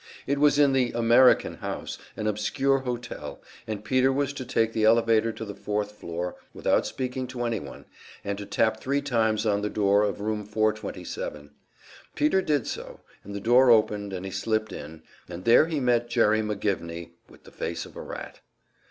It was in the "American House," an obscure hotel, and Peter was to take the elevator to the fourth floor, without speaking to any one, and to tap three times on the door of Room 427. Peter did so, and the door opened, and he slipped in, and there he met Jerry McGivney, with the face of a rat.